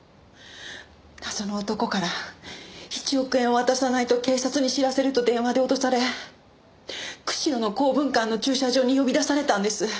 謎の男から１億円を渡さないと警察に知らせると電話で脅され釧路の港文館の駐車場に呼び出されたんです。